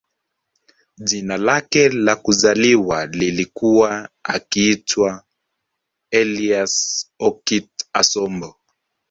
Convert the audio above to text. Jina lake la kuzaliwa lilikuwa akiitwa Elias OkitAsombo